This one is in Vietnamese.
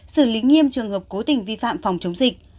xử lý nghiêm trường hợp cố tình vi phạm phòng chống dịch